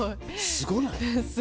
すごない？